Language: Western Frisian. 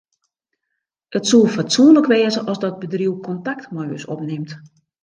It soe fatsoenlik wêze as dat bedriuw kontakt mei ús opnimt.